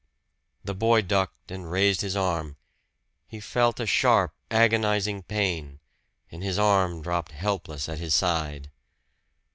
The boy ducked and raised his arm. He felt a sharp, agonizing pain, and his arm dropped helpless at his side.